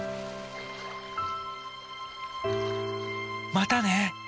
またね！